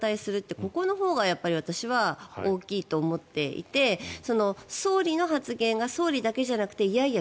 ここのほうが私は大きいと思っていて総理の発言が総理だけじゃなくていやいや